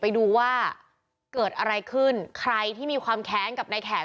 ไปดูว่าเกิดอะไรขึ้นใครที่มีความแค้นกับนายแขก